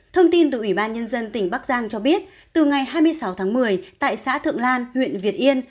thông tin từ ủy ban nhân dân tỉnh bắc giang cho biết từ ngày hai mươi sáu tháng một mươi tại xã thượng lan huyện việt yên